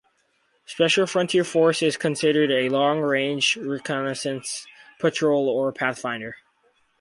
Special Frontier Force is considered a long-range reconnaissance patrol or pathfinder.